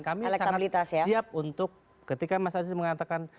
kami sangat siap untuk ketika mas aziz mengatakan